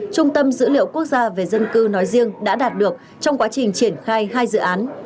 trung tâm dữ liệu quốc gia về dân cư nói riêng đã đạt được trong quá trình triển khai hai dự án